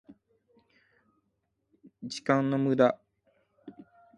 時間の無駄